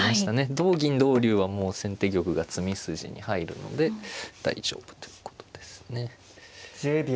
同銀同竜はもう先手玉が詰み筋に入るので大丈夫ということですね。